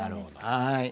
はい。